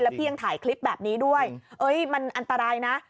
พี่ยังถ่ายคลิปแบบนี้ด้วยมันอันตรายนะ